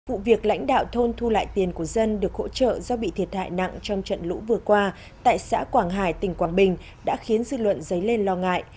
vụ việc lãnh đạo thôn thu lại tiền của dân được hỗ trợ do bị thiệt hại nặng trong trận lũ vừa qua tại xã quảng hải tỉnh quảng bình đã khiến dư luận dấy lên lo ngại